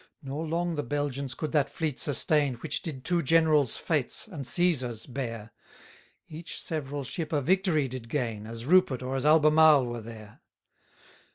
191 Nor long the Belgians could that fleet sustain, Which did two generals' fates, and Cæsar's bear: Each several ship a victory did gain, As Rupert or as Albemarle were there.